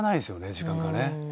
時間がね。